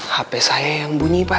hp saya yang bunyi pak